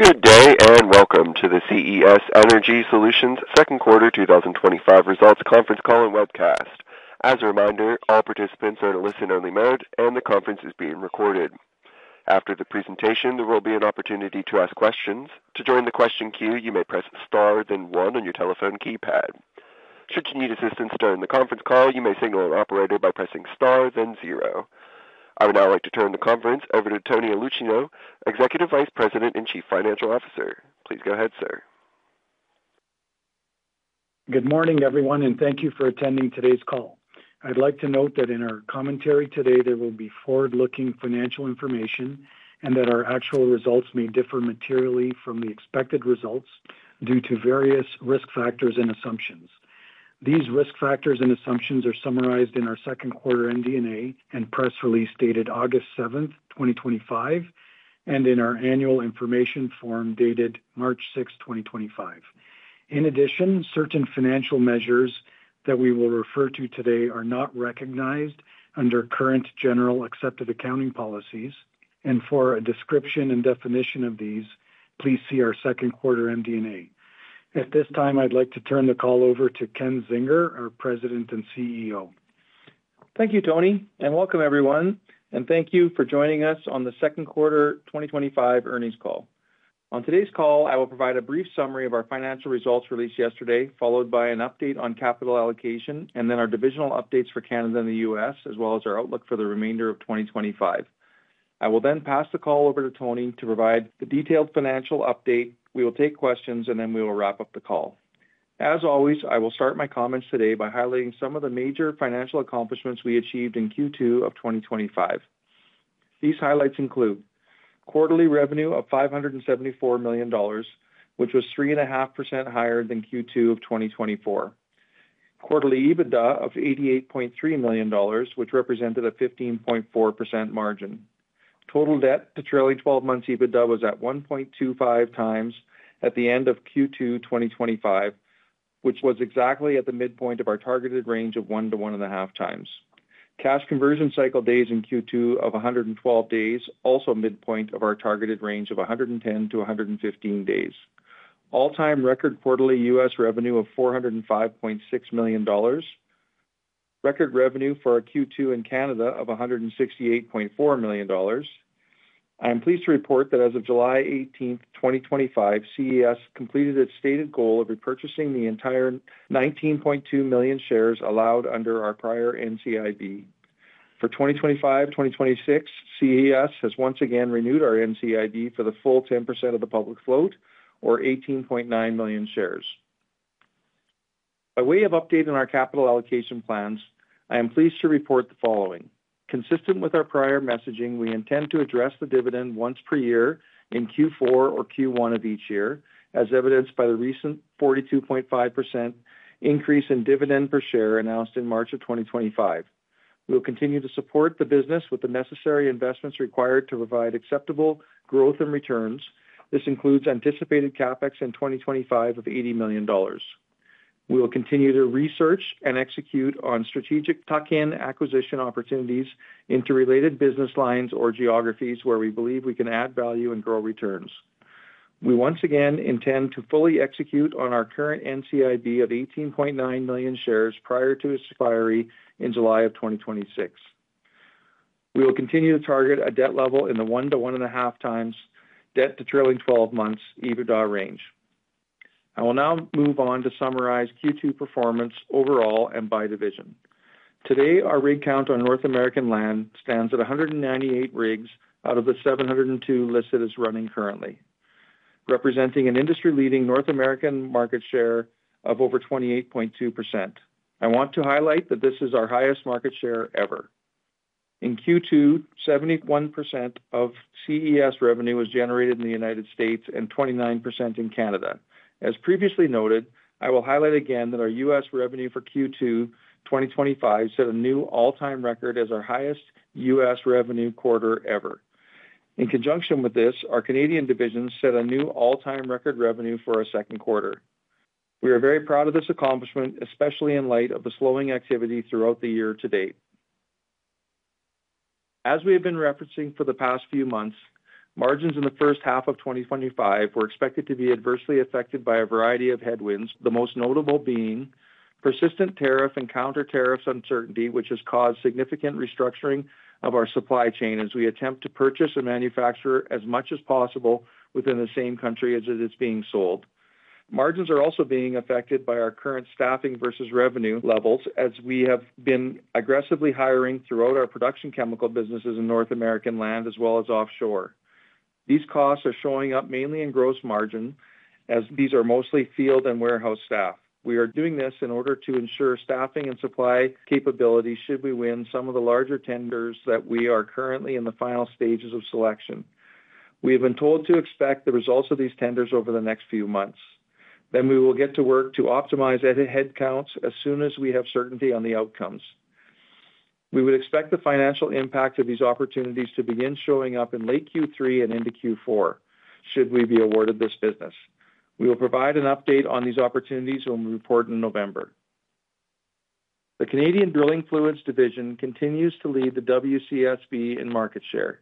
Good day, and welcome to the CES Energy Solutions Second Quarter 2025 Results Conference Call and Webcast. As a reminder, all participants are in a listen-only mode, and the conference is being recorded. After the presentation, there will be an opportunity to ask questions. To join the question queue, you may press star then one on your telephone keypad. Should you need assistance during the conference call, you may signal an operator by pressing star then zero. I would now like to turn the conference over to Tony Aulicino, Executive Vice President and Chief Financial Officer. Please go ahead, sir. Good morning, everyone, and thank you for attending today's call. I'd like to note that in our commentary today, there will be forward-looking financial information and that our actual results may differ materially from the expected results due to various risk factors and assumptions. These risk factors and assumptions are summarized in our second quarter MD&A and press release dated August 7, 2025, and in our annual information form dated March 6, 2025. In addition, certain financial measures that we will refer to today are not recognized under current generally accepted accounting policies, and for a description and definition of these, please see our second quarter MD&A. At this time, I'd like to turn the call over to Ken Zinger, our President and CEO. Thank you, Tony, and welcome, everyone, and thank you for joining us on the Second Quarter 2025 Earnings Call. On today's call, I will provide a brief summary of our financial results released yesterday, followed by an update on capital allocation and then our divisional updates for Canada and the U.S., as well as our outlook for the remainder of 2025. I will then pass the call over to Tony to provide the detailed financial update. We will take questions, and then we will wrap up the call. As always, I will start my comments today by highlighting some of the major financial accomplishments we achieved in Q2 of 2025. These highlights include quarterly revenue of $574 million, which was 3.5% higher than Q2 of 2024, quarterly EBITDA of $88.3 million, which represented a 15.4% margin. Total debt to trailing 12 months' EBITDA was at 1.25x at the end of Q2 2025, which was exactly at the midpoint of our targeted range of 1-1.5x. Cash conversion cycle days in Q2 of 112 days, also midpoint of our targeted range of 110-115 days. All-time record quarterly U.S. revenue of $405.6 million, record revenue for a Q2 in Canada of $168.4 million. I am pleased to report that as of July 18, 2025, CES completed its stated goal of repurchasing the entire 19.2 million shares allowed under our prior NCIB. For 2025-2026, CES has once again renewed our NCIB for the full 10% of the public float, or 18.9 million shares. By way of updating our capital allocation plans, I am pleased to report the following. Consistent with our prior messaging, we intend to address the dividend once per year in Q4 or Q1 of each year, as evidenced by the recent 42.5% increase in dividend per share announced in March of 2025. We will continue to support the business with the necessary investments required to provide acceptable growth and returns. This includes anticipated CapEx in 2025 of $80 million. We will continue to research and execute on strategic M&A acquisition opportunities into related business lines or geographies where we believe we can add value and grow returns. We once again intend to fully execute on our current NCIB of 18.9 million shares prior to its expiry in July of 2026. We will continue to target a debt level in the 1-1.5x debt to trailing 12 months EBITDA range. I will now move on to summarize Q2 performance overall and by division. Today, our rig count on North American land stands at 198 rigs out of the 702 listed as running currently, representing an industry-leading North American market share of over 28.2%. I want to highlight that this is our highest market share ever. In Q2, 71% of CES revenue was generated in the United States and 29% in Canada. As previously noted, I will highlight again that our U.S. revenue for Q2 2025 set a new all-time record as our highest U.S. revenue quarter ever. In conjunction with this, our Canadian division set a new all-time record revenue for our second quarter. We are very proud of this accomplishment, especially in light of the slowing activity throughout the year to date. As we have been referencing for the past few months, margins in the first half of 2025 were expected to be adversely affected by a variety of headwinds, the most notable being persistent tariff and counter tariffs uncertainty, which has caused significant restructuring of our supply chain as we attempt to purchase and manufacture as much as possible within the same country as it is being sold. Margins are also being affected by our current staffing versus revenue levels, as we have been aggressively hiring throughout our production chemical businesses in North American land as well as offshore. These costs are showing up mainly in gross margin, as these are mostly field and warehouse staff. We are doing this in order to ensure staffing and supply capability should we win some of the larger tenders that we are currently in the final stages of selection. We have been told to expect the results of these tenders over the next few months. We will get to work to optimize headcounts as soon as we have certainty on the outcomes. We would expect the financial impact of these opportunities to begin showing up in late Q3 and into Q4 should we be awarded this business. We will provide an update on these opportunities when we report in November. The Canadian Drilling Fluids Division continues to lead the WCSB in market share.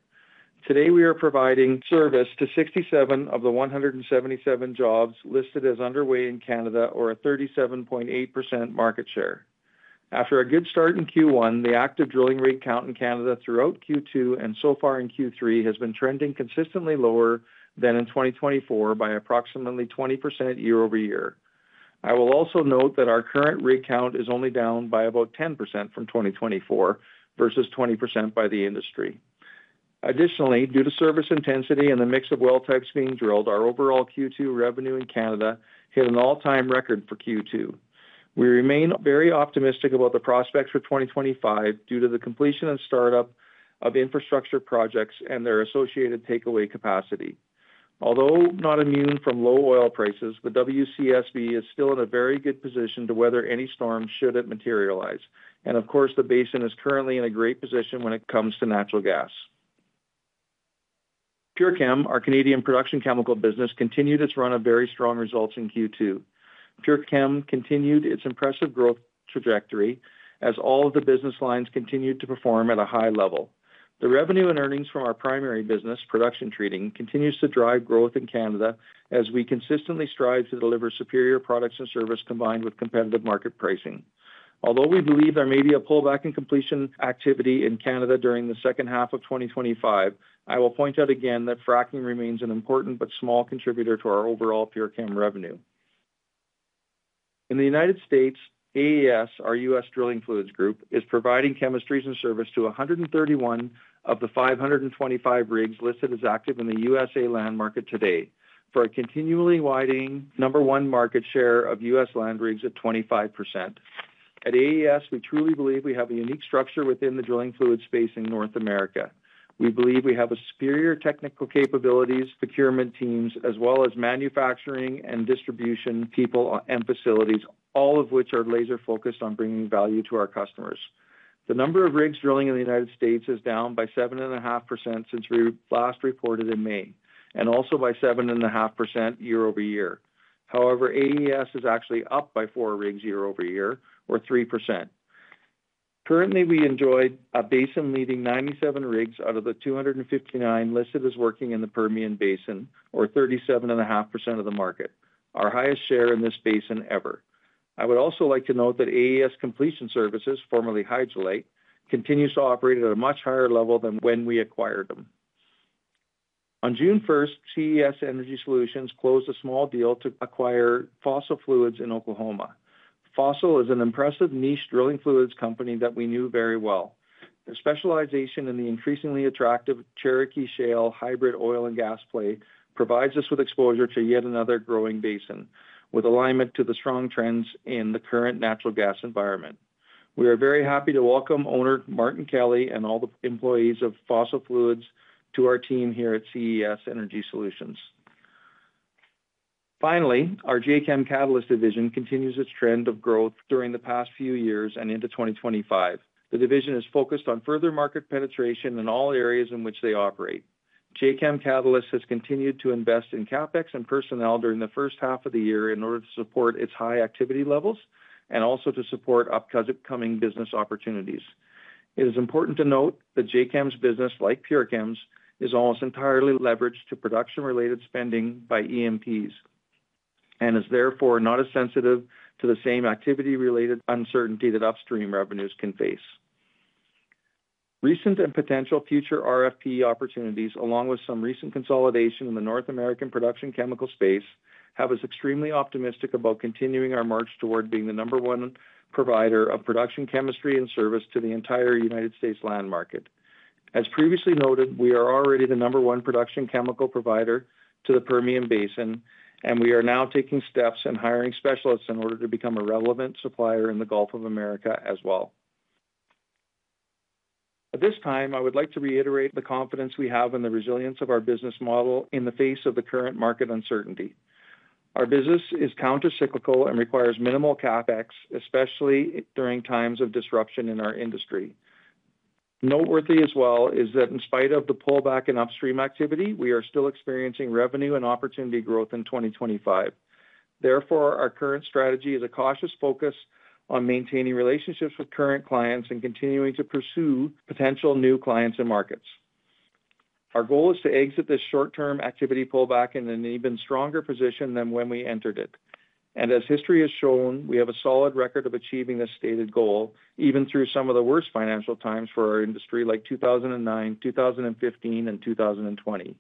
Today, we are providing service to 67 of the 177 jobs listed as underway in Canada, or a 37.8% market share. After a good start in Q1, the active drilling rate count in Canada throughout Q2 and so far in Q3 has been trending consistently lower than in 2024 by approximately 20% year-over-year. I will also note that our current rate count is only down by about 10% from 2024 versus 20% by the industry. Additionally, due to service intensity and the mix of well types being drilled, our overall Q2 revenue in Canada hit an all-time record for Q2. We remain very optimistic about the prospects for 2025 due to the completion and startup of infrastructure projects and their associated takeaway capacity. Although not immune from low oil prices, the WCSB is still in a very good position to weather any storms should it materialize. The basin is currently in a great position when it comes to natural gas. PureChem, our Canadian production chemical business, continued its run of very strong results in Q2. PureChem continued its impressive growth trajectory as all of the business lines continued to perform at a high level. The revenue and earnings from our primary business, production treating, continue to drive growth in Canada as we consistently strive to deliver superior products and service combined with competitive market pricing. Although we believe there may be a pullback in completion activity in Canada during the second half of 2025, I will point out again that fracking remains an important but small contributor to our overall PureChem revenue. In the United States, AES, our U.S. drilling fluids group, is providing chemistries and service to 131 of the 525 rigs listed as active in the U.S. land market today for a continually widening number one market share of U.S. land rigs at 25%. At AES, we truly believe we have a unique structure within the drilling fluid space in North America. We believe we have superior technical capabilities, procurement teams, as well as manufacturing and distribution people and facilities, all of which are laser-focused on bringing value to our customers. The number of rigs drilling in the United States is down by 7.5% since we last reported in May and also by 7.5% year-over-year. However, AES is actually up by four rigs year-over-year, or 3%. Currently, we enjoy a basin leading 97 rigs out of the 259 listed as working in the Permian Basin, or 37.5% of the market, our highest share in this basin ever. I would also like to note that AES completion services, formerly Hydrolite, continue to operate at a much higher level than when we acquired them. On June 1, CES Energy Solutions closed a small deal to acquire Fossil Fluids in Oklahoma. Fossil is an impressive niche drilling fluids company that we knew very well. Their specialization in the increasingly attractive Cherokee Shale hybrid oil and gas play provides us with exposure to yet another growing basin with alignment to the strong trends in the current natural gas environment. We are very happy to welcome owner Martin Kelly and all the employees of Fossil Fluids to our team here at CES Energy Solutions. Finally, our Jacam Catalyst division continues its trend of growth during the past few years and into 2025. The division is focused on further market penetration in all areas in which they operate. Jacam Catalyst has continued to invest in CapEx and personnel during the first half of the year in order to support its high activity levels and also to support upcoming business opportunities. It is important to note that Jacam's business, like PureChem's, is almost entirely leveraged to production-related spending by E&P's and is therefore not as sensitive to the same activity-related uncertainty that upstream revenues can face. Recent and potential future RFP opportunities, along with some recent consolidation in the North American production chemical space, have us extremely optimistic about continuing our march toward being the number one provider of production chemistry and service to the entire United States land market. As previously noted, we are already the number one production chemical provider to the Permian Basin, and we are now taking steps in hiring specialists in order to become a relevant supplier in the Gulf of America as well. At this time, I would like to reiterate the confidence we have in the resilience of our business model in the face of the current market uncertainty. Our business is countercyclical and requires minimal CapEx, especially during times of disruption in our industry. Noteworthy as well is that in spite of the pullback in upstream activity, we are still experiencing revenue and opportunity growth in 2025. Therefore, our current strategy is a cautious focus on maintaining relationships with current clients and continuing to pursue potential new clients and markets. Our goal is to exit this short-term activity pullback in an even stronger position than when we entered it. As history has shown, we have a solid record of achieving this stated goal, even through some of the worst financial times for our industry, like 2009, 2015, and 2020.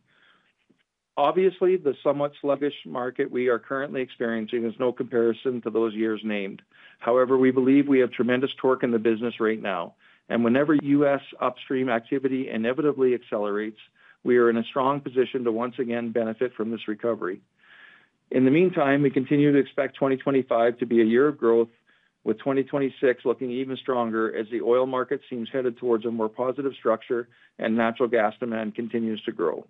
Obviously, the somewhat sluggish market we are currently experiencing has no comparison to those years named. However, we believe we have tremendous torque in the business right now. Whenever U.S. upstream activity inevitably accelerates, we are in a strong position to once again benefit from this recovery. In the meantime, we continue to expect 2025 to be a year of growth, with 2026 looking even stronger as the oil market seems headed towards a more positive structure and natural gas demand continues to grow.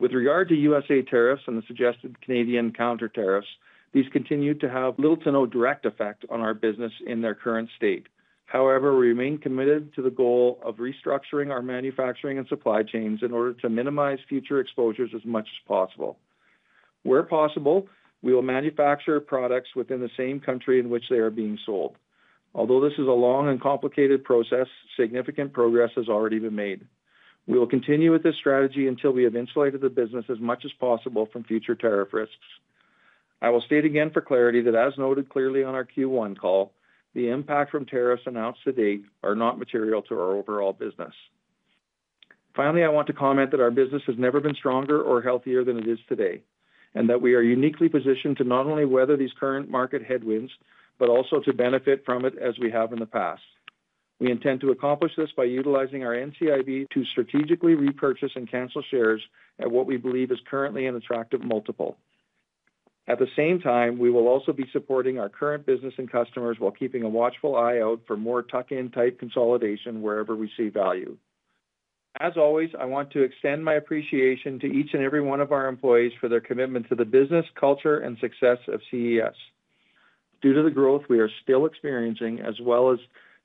With regard to U.S.A. tariffs and the suggested Canadian counter tariffs, these continue to have little to no direct effect on our business in their current state. We remain committed to the goal of restructuring our manufacturing and supply chains in order to minimize future exposures as much as possible. Where possible, we will manufacture products within the same country in which they are being sold. Although this is a long and complicated process, significant progress has already been made. We will continue with this strategy until we have insulated the business as much as possible from future tariff risks. I will state again for clarity that, as noted clearly on our Q1 call, the impact from tariffs announced to date is not material to our overall business. Finally, I want to comment that our business has never been stronger or healthier than it is today and that we are uniquely positioned to not only weather these current market headwinds, but also to benefit from it as we have in the past. We intend to accomplish this by utilizing our NCIB to strategically repurchase and cancel shares at what we believe is currently an attractive multiple. At the same time, we will also be supporting our current business and customers while keeping a watchful eye out for more TACAN-type consolidation wherever we see value. As always, I want to extend my appreciation to each and every one of our employees for their commitment to the business, culture, and success of CES. Due to the growth we are still experiencing, as well as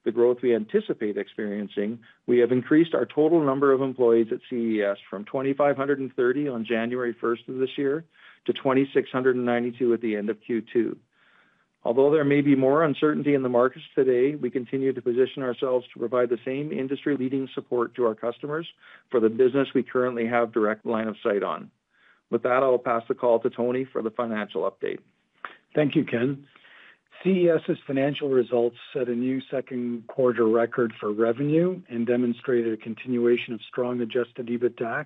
the growth we anticipate experiencing, we have increased our total number of employees at CES from 2,530 on January 1 of this year to 2,692 at the end of Q2. Although there may be more uncertainty in the markets today, we continue to position ourselves to provide the same industry-leading support to our customers for the business we currently have direct line of sight on. With that, I'll pass the call to Tony for the financial update. Thank you, Ken. CES's financial results set a new second quarter record for revenue and demonstrate a continuation of strong adjusted EBITDA,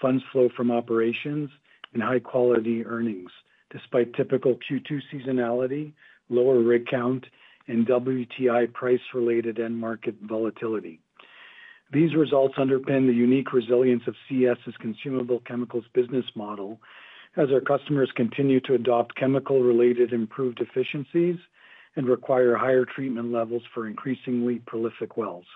funds flow from operations, and high-quality earnings, despite typical Q2 seasonality, lower rig count, and WTI price-related end market volatility. These results underpin the unique resilience of CES's consumable chemicals business model, as our customers continue to adopt chemical-related improved efficiencies and require higher treatment levels for increasingly prolific wells.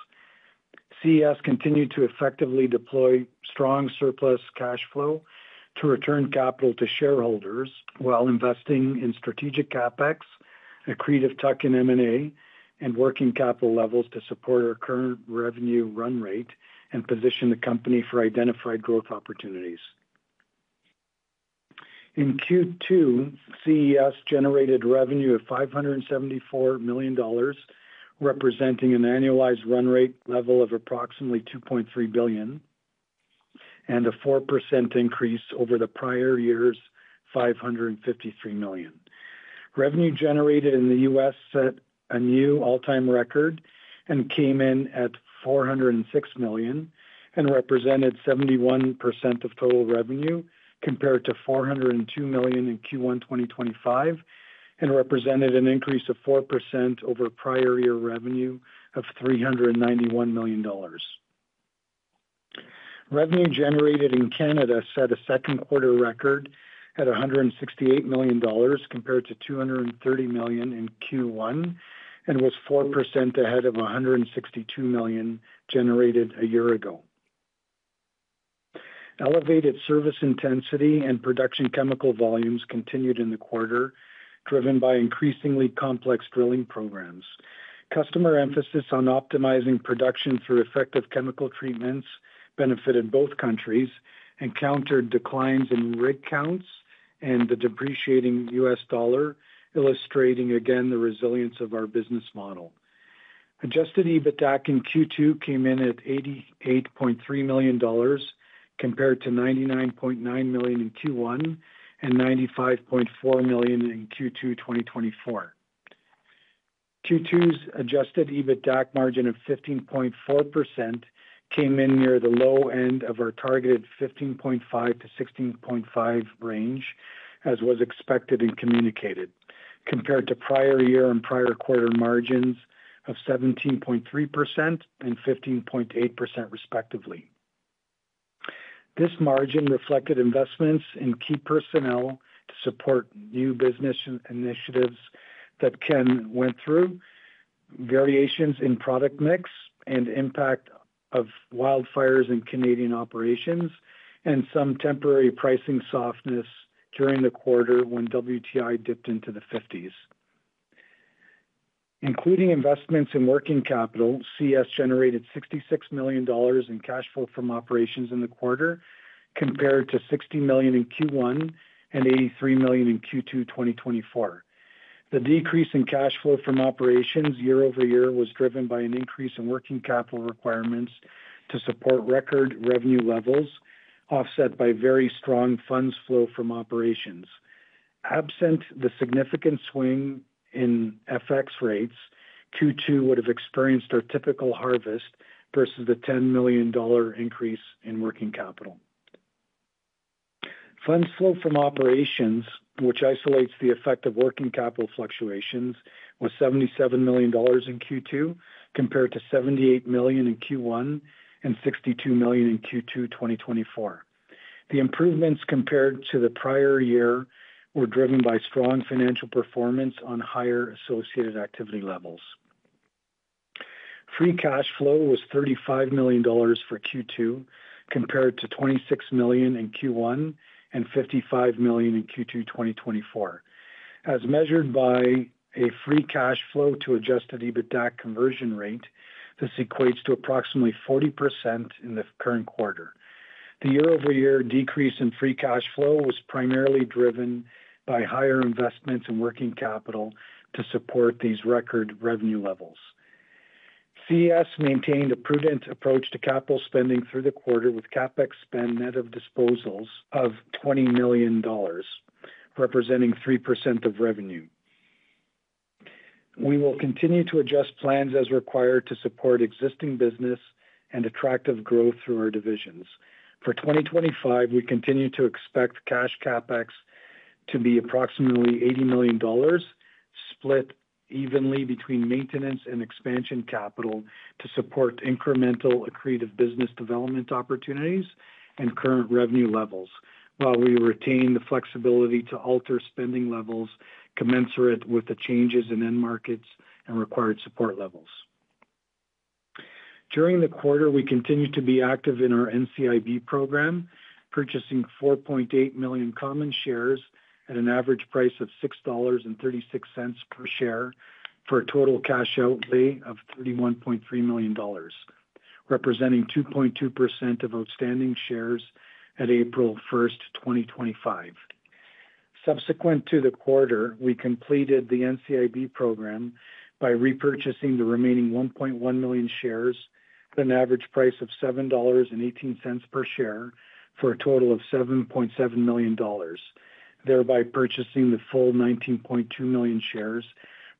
CES continued to effectively deploy strong surplus cash flow to return capital to shareholders while investing in strategic CapEx, accretive M&A, and working capital levels to support our current revenue run rate and position the company for identified growth opportunities. In Q2, CES generated revenue of $574 million, representing an annualized run rate level of approximately $2.3 billion and a 4% increase over the prior year's $553 million. Revenue generated in the U.S. set a new all-time record and came in at $406 million and represented 71% of total revenue compared to $402 million in Q1 2025, and represented an increase of 4% over prior year revenue of $391 million. Revenue generated in Canada set a second quarter record at $168 million compared to $230 million in Q1 and was 4% ahead of $162 million generated a year ago. Elevated service intensity and production chemical volumes continued in the quarter, driven by increasingly complex drilling programs. Customer emphasis on optimizing production through effective chemical treatments benefited both countries and countered declines in rig counts and the depreciating U.S. dollar, illustrating again the resilience of our business model. Adjusted EBITDA in Q2 came in at $88.3 million compared to $99.9 million in Q1 and $95.4 million in Q2 2024. Q2's adjusted EBITDA margin of 15.4% came in near the low end of our targeted 15.5%-16.5% range, as was expected and communicated, compared to prior year and prior quarter margins of 17.3% and 15.8% respectively. This margin reflected investments in key personnel to support new business initiatives that Ken went through, variations in product mix and impact of wildfires in Canadian operations, and some temporary pricing softness during the quarter when WTI dipped into the $50s. Including investments in working capital, CES generated $66 million in cash flow from operations in the quarter, compared to $60 million in Q1 and $83 million in Q2 2024. The decrease in cash flow from operations year-over-year was driven by an increase in working capital requirements to support record revenue levels, offset by very strong funds flow from operations. Absent the significant swing in FX rates, Q2 would have experienced our typical harvest versus the $10 million increase in working capital. Funds flow from operations, which isolates the effect of working capital fluctuations, was $77 million in Q2 compared to $78 million in Q1 and $62 million in Q2 2023. The improvements compared to the prior year were driven by strong financial performance on higher associated activity levels. Free cash flow was $35 million for Q2 compared to $26 million in Q1 and $55 million in Q2 2023. As measured by a free cash flow to adjusted EBITDA conversion rate, this equates to approximately 40% in the current quarter. The year-over-year decrease in free cash flow was primarily driven by higher investments in working capital to support these record revenue levels. CES maintained a prudent approach to capital spending through the quarter with CAPEX spend net of disposals of $20 million, representing 3% of revenue. We will continue to adjust plans as required to support existing business and attractive growth through our divisions. For 2024, we continue to expect cash CAPEX to be approximately $80 million, split evenly between maintenance and expansion capital to support incremental accretive business development opportunities and current revenue levels, while we retain the flexibility to alter spending levels commensurate with the changes in end markets and required support levels. During the quarter, we continued to be active in our NCIB program, purchasing 4.8 million common shares at an average price of $6.36 per share for a total cash outlay of $31.3 million, representing 2.2% of outstanding shares at April 1, 2024. Subsequent to the quarter, we completed the NCIB program by repurchasing the remaining 1.1 million shares at an average price of $7.18 per share for a total of $7.7 million, thereby purchasing the full 19.2 million shares,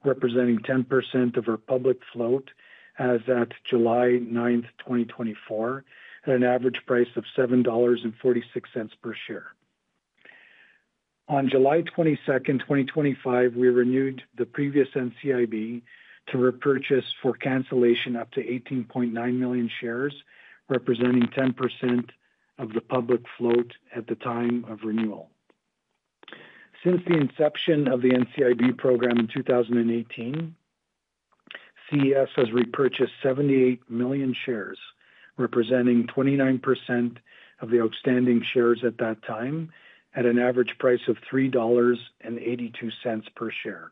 representing 10% of our public float as at July 9, 2024, at an average price of $7.46 per share. On July 22, 2024, we renewed the previous NCIB to repurchase for cancellation up to 18.9 million shares, representing 10% of the public float at the time of renewal. Since the inception of the NCIB program in 2018, CES has repurchased 78 million shares, representing 29% of the outstanding shares at that time, at an average price of $3.82 per share.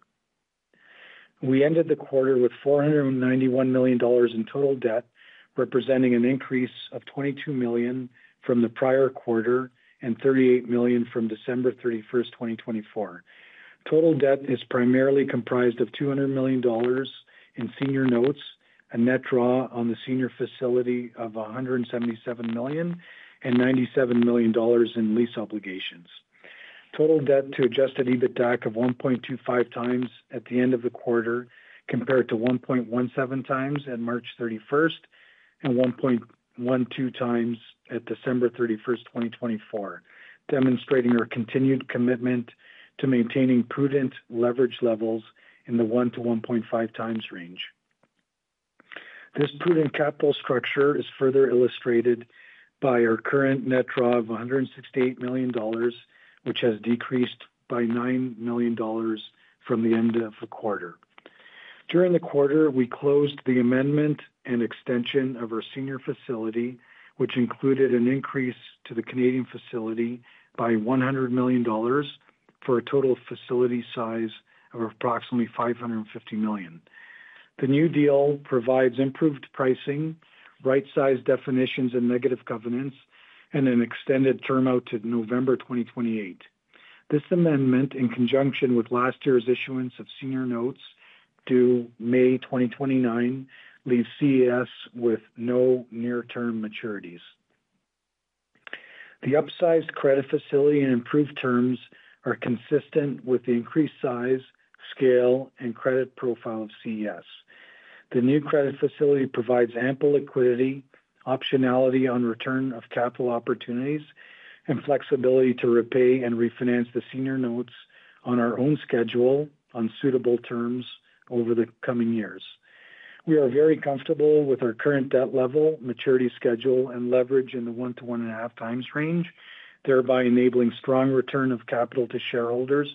We ended the quarter with $491 million in total debt, representing an increase of $22 million from the prior quarter and $38 million from December 31, 2024. Total debt is primarily comprised of $200 million in senior notes, a net draw on the senior facility of $177 million, and $97 million in lease obligations. Total debt to adjusted EBITDA of 1.25x at the end of the quarter compared to 1.17x at March 31 and 1.12x at December 31, 2024, demonstrates our continued commitment to maintaining prudent leverage levels in the 1-1.5x range. This prudent capital structure is further illustrated by our current net draw of $168 million, which has decreased by $9 million from the end of the quarter. During the quarter, we closed the amendment and extension of our senior facility, which included an increase to the Canadian facility by $100 million for a total facility size of approximately $550 million. The new deal provides improved pricing, right-sized definitions and negative governance, and an extended term out to November 2028. This amendment, in conjunction with last year's issuance of senior notes due May 2029, leaves CES with no near-term maturities. The upsized credit facility and improved terms are consistent with the increased size, scale, and credit profile of CES. The new credit facility provides ample liquidity, optionality on return of capital opportunities, and flexibility to repay and refinance the senior notes on our own schedule on suitable terms over the coming years. We are very comfortable with our current debt level, maturity schedule, and leverage in the 1-1.5x range, thereby enabling strong return of capital to shareholders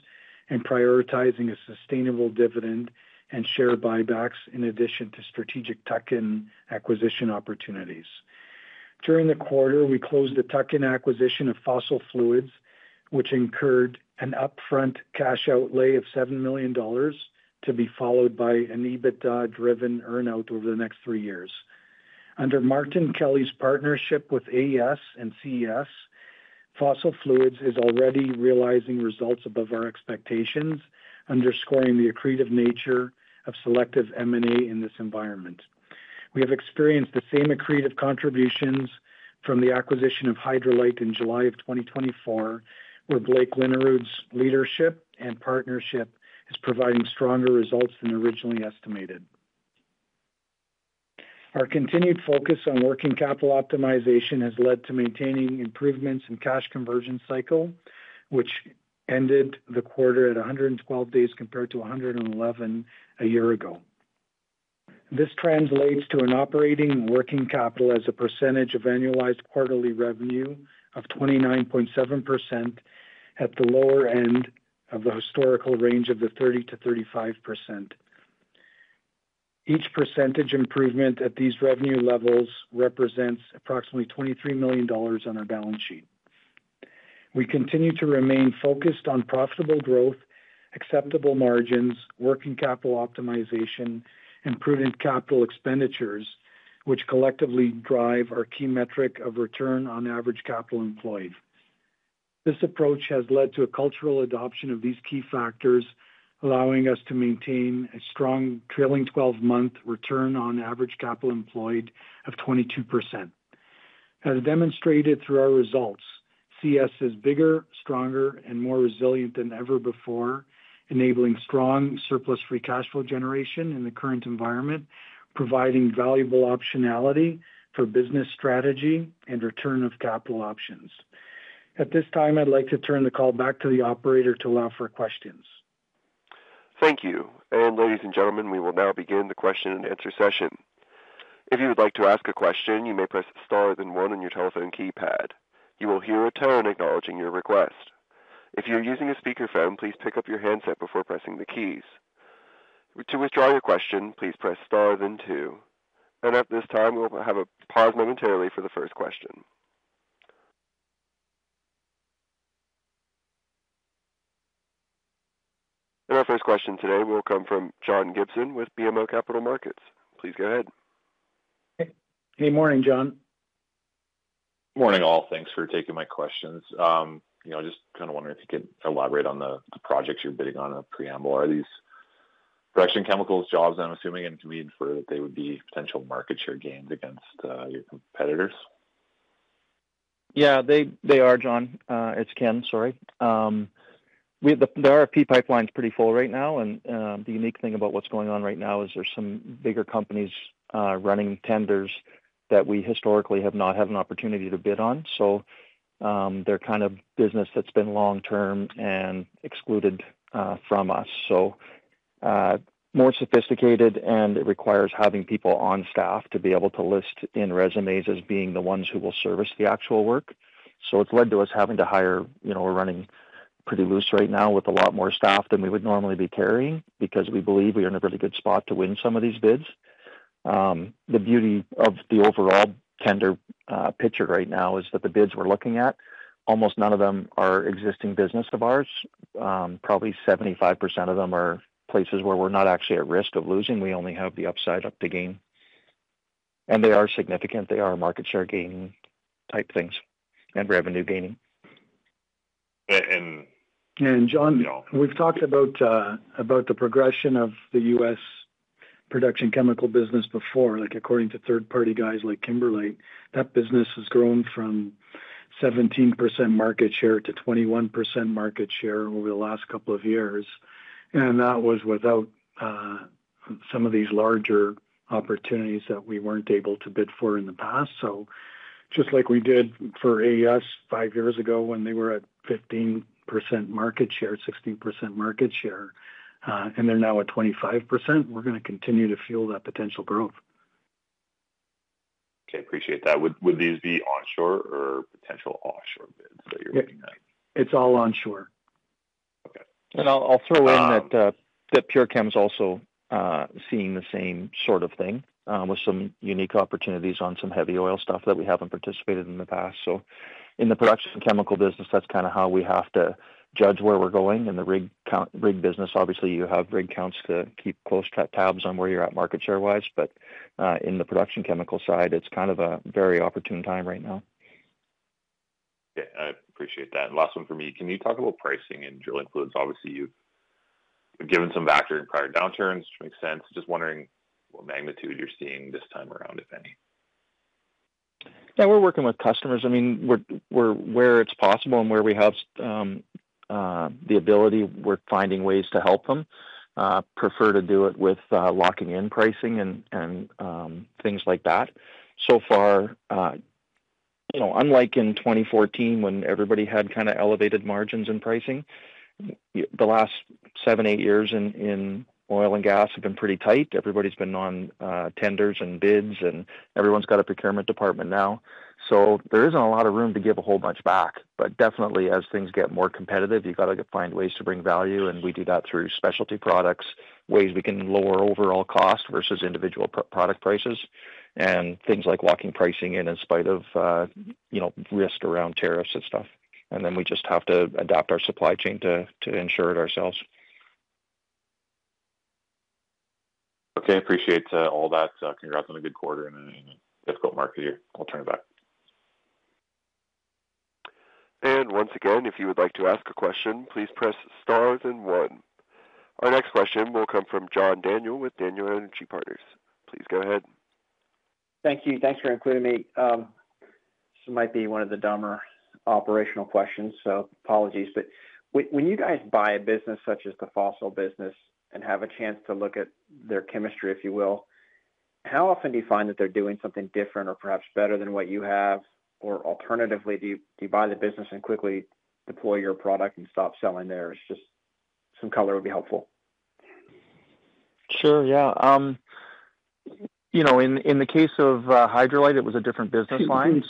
and prioritizing a sustainable dividend and share buybacks in addition to strategic TACAN acquisition opportunities. During the quarter, we closed the TACAN acquisition of Fossil Fluids, which incurred an upfront cash outlay of $7 million, to be followed by an EBITDA-driven earnout over the next three years. Under Martin Kelly's partnership with AES and CES, Fossil Fluids is already realizing results above our expectations, underscoring the accretive nature of selective M&A in this environment. We have experienced the same accretive contributions from the acquisition of Hydrolite in July of 2024, where Blake Lynnearude's leadership and partnership are providing stronger results than originally estimated. Our continued focus on working capital optimization has led to maintaining improvements in cash conversion cycle, which ended the quarter at 112 days compared to 111 a year ago. This translates to an operating working capital as a percentage of annualized quarterly revenue of 29.7% at the lower end of the historical range of the 30-35%. Each percentage improvement at these revenue levels represents approximately $23 million on our balance sheet. We continue to remain focused on profitable growth, acceptable margins, working capital optimization, and prudent capital expenditures, which collectively drive our key metric of return on average capital employed. This approach has led to a cultural adoption of these key factors, allowing us to maintain a strong trailing 12-month return on average capital employed of 22%. As demonstrated through our results, CES is bigger, stronger, and more resilient than ever before, enabling strong surplus-free cash flow generation in the current environment, providing valuable optionality for business strategy and return of capital options. At this time, I'd like to turn the call back to the operator to allow for questions. Thank you. Ladies and gentlemen, we will now begin the question and answer session. If you would like to ask a question, you may press star then one on your telephone keypad. You will hear a tone acknowledging your request. If you're using a speaker phone, please pick up your handset before pressing the keys. To withdraw your question, please press star then two. At this time, we will have a pause momentarily for the first question. Our first question today will come from John Gibson with BMO Capital Markets. Please go ahead. Hey, good morning, John. Morning all. Thanks for taking my questions. I'm just kind of wondering if you can elaborate on the projects you're bidding on preamble. Are these production chemicals jobs, I'm assuming, and can we infer that they would be potential market share gains against your competitors? Yeah, they are, John. It's Ken, sorry. The RFP pipeline is pretty full right now, and the unique thing about what's going on right now is there's some bigger companies running tenders that we historically have not had an opportunity to bid on. They're kind of business that's been long-term and excluded from us. More sophisticated, and it requires having people on staff to be able to list in resumes as being the ones who will service the actual work. It's led to us having to hire, we're running pretty loose right now with a lot more staff than we would normally be carrying because we believe we are in a really good spot to win some of these bids. The beauty of the overall tender picture right now is that the bids we're looking at, almost none of them are existing business of ours. Probably 75% of them are places where we're not actually at risk of losing. We only have the upside to gain. They are significant. They are market share gain type things and revenue gaining. John, we've talked about the progression of the U.S. production chemical business before. According to third-party guys like Kimberly, that business has grown from 17% market share to 21% market share over the last couple of years. That was without some of these larger opportunities that we weren't able to bid for in the past. Just like we did for AES five years ago when they were at 15% market share, 16% market share, and they're now at 25%, we're going to continue to fuel that potential growth. Okay, I appreciate that. Would these be onshore or potential offshore bids that you're looking at? It's all onshore. I'll throw in that PureChem is also seeing the same sort of thing with some unique opportunities on some heavy oil stuff that we haven't participated in the past. In the production chemical business, that's kind of how we have to judge where we're going. In the rig business, obviously, you have rig counts to keep close tabs on where you're at market share-wise. In the production chemical side, it's kind of a very opportune time right now. I appreciate that. Last one for me, can you talk about pricing in drilling fluids? Obviously, you've given some background in prior downturns, which makes sense. Just wondering what magnitude you're seeing this time around, if any. Yeah, we're working with customers. I mean, where it's possible and where we have the ability, we're finding ways to help them. Prefer to do it with locking in pricing and things like that. So far, you know, unlike in 2014 when everybody had kind of elevated margins in pricing, the last seven, eight years in oil and gas have been pretty tight. Everybody's been on tenders and bids, and everyone's got a procurement department now. There isn't a lot of room to give a whole bunch back. Definitely, as things get more competitive, you've got to find ways to bring value. We do that through specialty products, ways we can lower overall cost versus individual product prices, and things like locking pricing in, in spite of, you know, risk around tariffs and stuff. We just have to adapt our supply chain to ensure it ourselves. Okay, I appreciate all that. Congrats on a good quarter in a difficult market here. I'll turn it back. If you would like to ask a question, please press star then one. Our next question will come from John Daniel with Daniel Energy Partners. Please go ahead. Thank you. Thanks for including me. This might be one of the dumber operational questions, so apologies. When you guys buy a business such as the Fossil Fluids business and have a chance to look at their chemistry, if you will, how often do you find that they're doing something different or perhaps better than what you have? Alternatively, do you buy the business and quickly deploy your product and stop selling theirs? Just some color would be helpful. Sure, yeah. In the case of Hydrolite, it was a different business line.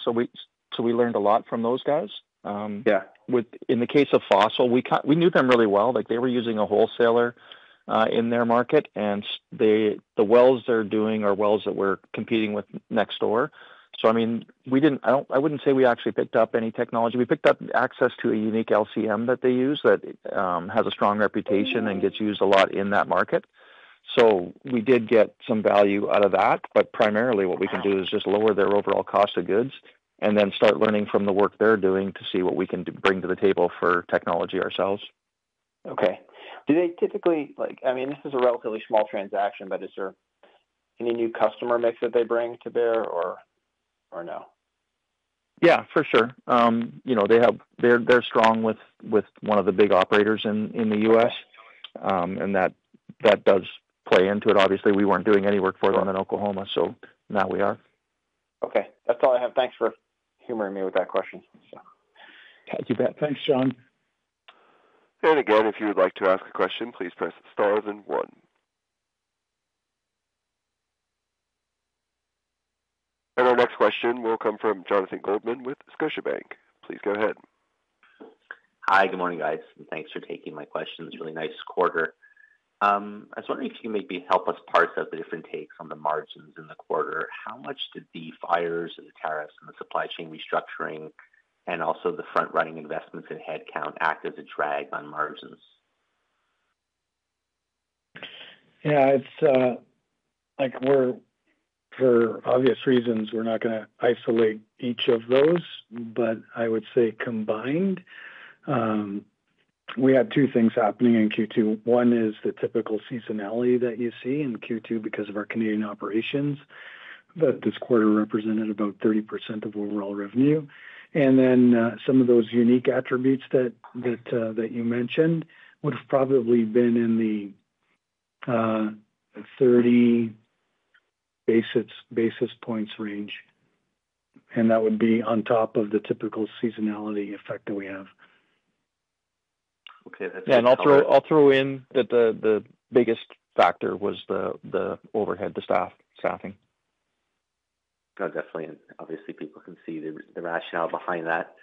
We learned a lot from those guys. In the case of Fossil, we knew them really well. They were using a wholesaler in their market and the wells they're doing are wells that we're competing with next door. I wouldn't say we actually picked up any technology. We picked up access to a unique LCM that they use that has a strong reputation and gets used a lot in that market. We did get some value out of that. Primarily, what we can do is just lower their overall cost of goods and then start learning from the work they're doing to see what we can bring to the table for technology ourselves. Okay. Do they typically, like, I mean, this is a relatively small transaction, but is there any new customer mix that they bring to bear or no? Yeah, for sure. You know, they have, they're strong with one of the big operators in the U.S., and that does play into it. Obviously, we weren't doing any work for them in Oklahoma, so now we are. Okay, that's all I have. Thanks for humoring me with that question. Not too bad. Thanks, Sean. If you would like to ask a question, please press star then one. Our next question will come from Jonathan Goldman with Scotiabank. Please go ahead. Hi, good morning guys, and thanks for taking my questions. Really nice quarter. I was wondering if you can maybe help us parse out the different takes on the margins in the quarter. How much did the fires, the tariffs, the supply chain restructuring, and also the front-running investments in headcount act as a drag on margins? Yeah, for obvious reasons, we're not going to isolate each of those, but I would say combined, we have two things happening in Q2. One is the typical seasonality that you see in Q2 because of our Canadian operations, that this quarter represented about 30% of overall revenue. Some of those unique attributes that you mentioned would have probably been in the 30 bps range. That would be on top of the typical seasonality effect that we have. Okay. The biggest factor was the overhead, the staffing. Definitely. Obviously, people can see the rationale behind that.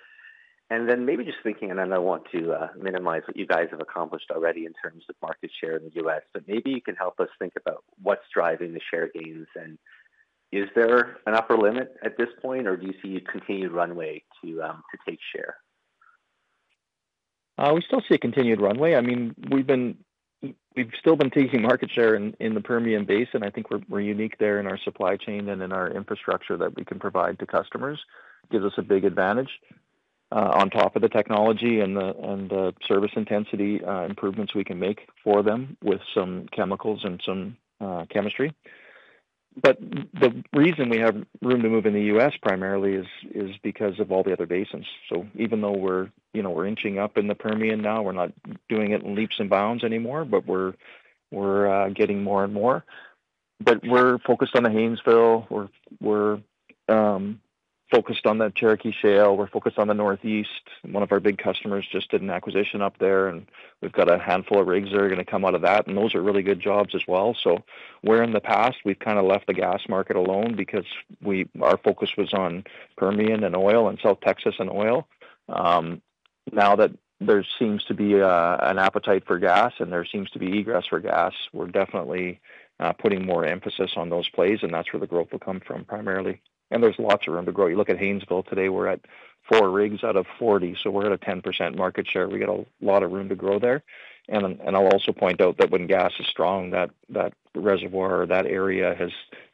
Maybe just thinking, I want to minimize what you guys have accomplished already in terms of market share in the U.S., but maybe you can help us think about what's driving the share gains. Is there an upper limit at this point, or do you see a continued runway to take share? We still see a continued runway. I mean, we've still been taking market share in the Permian Basin. I think we're unique there in our supply chain and in our infrastructure that we can provide to customers. It gives us a big advantage. On top of the technology and the service intensity improvements we can make for them with some chemicals and some chemistry. The reason we have room to move in the U.S. primarily is because of all the other basins. Even though we're inching up in the Permian now, we're not doing it in leaps and bounds anymore, but we're getting more and more. We're focused on the Haynesville. We're focused on the Cherokee Shale. We're focused on the Northeast. One of our big customers just did an acquisition up there, and we've got a handful of rigs that are going to come out of that. Those are really good jobs as well. Where in the past, we've kind of left the gas market alone because our focus was on Permian and oil and South Texas and oil, now that there seems to be an appetite for gas and there seems to be egress for gas, we're definitely putting more emphasis on those plays, and that's where the growth will come from primarily. There's lots of room to grow. You look at Haynesville today, we're at four rigs out of 40, so we're at a 10% market share. We got a lot of room to grow there. I'll also point out that when gas is strong, that reservoir, that area has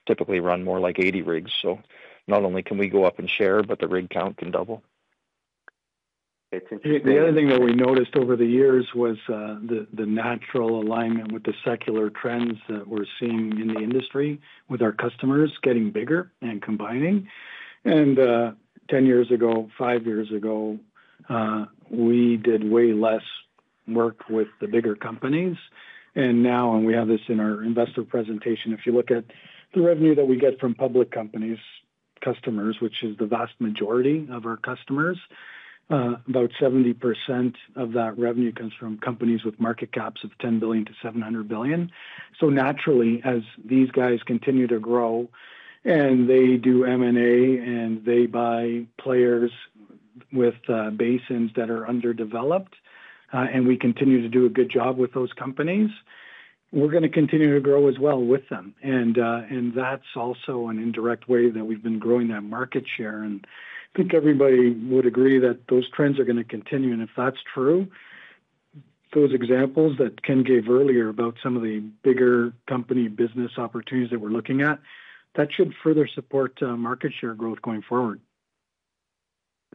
typically run more like 80 rigs. Not only can we go up in share, but the rig count can double. The other thing that we noticed over the years was the natural alignment with the secular trends that we're seeing in the industry with our customers getting bigger and combining. Ten years ago, five years ago, we did way less work with the bigger companies. Now, and we have this in our investor presentation, if you look at the revenue that we get from public companies, customers, which is the vast majority of our customers, about 70% of that revenue comes from companies with market caps of $10 billion-$700 billion. Naturally, as these guys continue to grow and they do M&A and they buy players with basins that are underdeveloped, and we continue to do a good job with those companies, we're going to continue to grow as well with them. That's also an indirect way that we've been growing that market share. I think everybody would agree that those trends are going to continue. If that's true, those examples that Ken gave earlier about some of the bigger company business opportunities that we're looking at, that should further support market share growth going forward.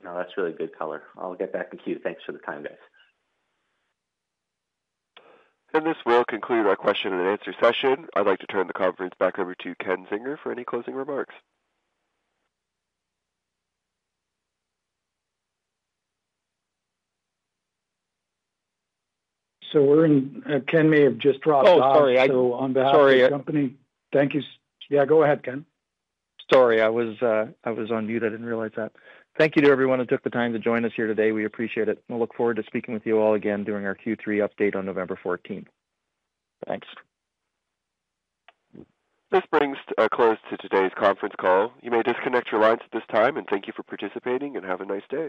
No, that's really good color. I'll get back in queue. Thanks for the time, guys. This will conclude our question and answer session. I'd like to turn the conference back over to Ken Zinger for any closing remarks. We are in, Ken may have just dropped off. Oh, sorry. On behalf of the company, thank you. Yeah, go ahead, Ken. Sorry, I was on mute. I didn't realize that. Thank you to everyone who took the time to join us here today. We appreciate it. We'll look forward to speaking with you all again during our Q3 update on November 14. Thanks. This brings a close to today's conference call. You may disconnect your lines at this time, and thank you for participating and have a nice day.